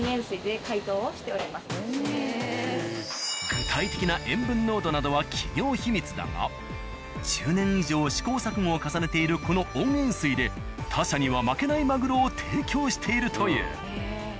具体的な塩分濃度などは企業秘密だが１０年以上試行錯誤を重ねているこの温塩水で他社には負けないマグロを提供しているという。